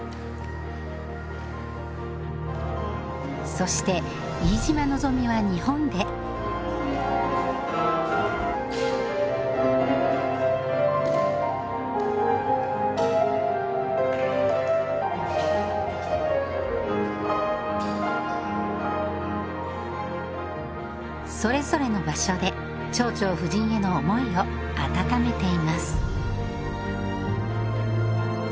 そして飯島望未は日本でそれぞれの場所で「蝶々夫人」への思いを温めています